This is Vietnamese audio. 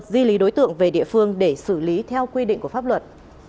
di lý đối tượng về địa phương để xử lý theo quy định của pháp luật